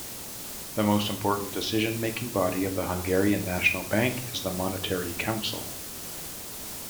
The most important decision-making body of the Hungarian National Bank is the Monetary Council.